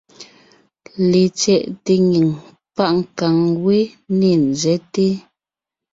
Letsyɛʼte nyìŋ páʼ nkàŋ wé ne ńzɛ́te.